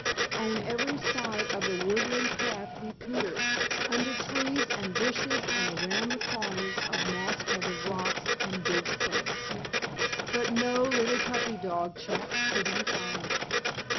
On every side of the woodland path he peered, under trees and bushes and around the corners of moss covered rocks and big stumps. But no little puppy dog chaps could he find.